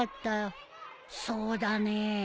そうだねえ。